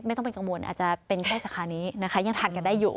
ไม่ต้องเป็นกังวลอาจจะเป็นแค่สาขานี้นะคะยังทานกันได้อยู่